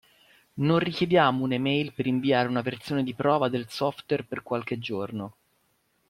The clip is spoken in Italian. Non richiediamo un'e-mail per inviare una versione di prova del software per qualche giorno.